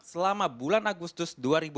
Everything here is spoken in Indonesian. selama bulan agustus dua ribu delapan belas